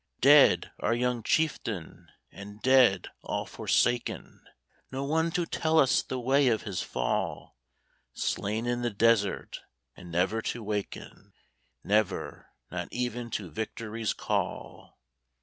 Dead, our young chieftain, and dead, all forsaken! No one to tell us the way of his fall! Slain in the desert, and never to waken, Never, not even to victory's call!